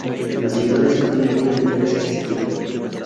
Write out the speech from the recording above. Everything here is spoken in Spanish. La ciudad está dividida en trece distritos.